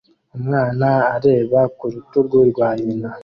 Umwana areba ku rutugu rwa nyina